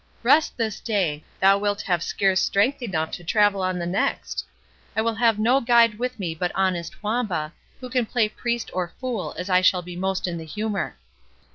"Rest this day; thou wilt have scarce strength enough to travel on the next. I will have no guide with me but honest Wamba, who can play priest or fool as I shall be most in the humour."